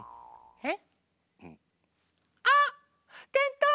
えっ！